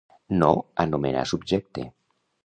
No anomenar subjecte.